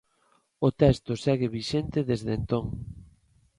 O texto segue vixente desde entón.